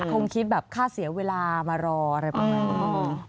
คงคิดแบบค่าเสียเวลามารออะไรประมาณนี้